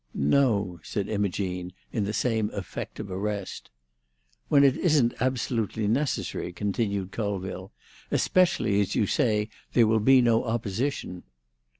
"No," said Imogene, in the same effect of arrest. "When it isn't absolutely necessary," continued Colville. "Especially as you say there will be no opposition."